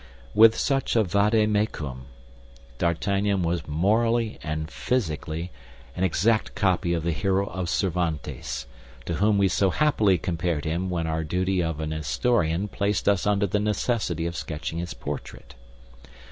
With such a vade mecum D'Artagnan was morally and physically an exact copy of the hero of Cervantes, to whom we so happily compared him when our duty of an historian placed us under the necessity of sketching his portrait.